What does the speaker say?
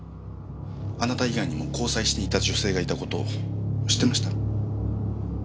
あなた以外にも交際していた女性がいた事を知ってました？